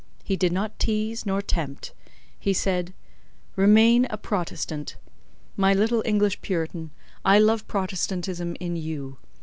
He did not tease nor tempt. He said:— "Remain a Protestant. My little English Puritan, I love Protestantism in you.